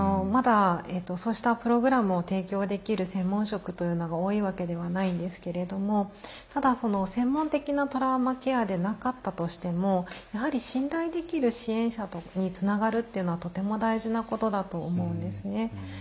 まだそうしたプログラムを提供できる専門職というのが多いわけではないんですけれどもただ専門的なトラウマケアでなかったとしてもやはり信頼できる支援者につながるっていうのはとても大事なことだと思うんですね。